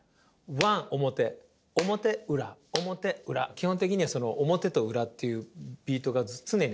基本的にはその表と裏っていうビートが常にあるの。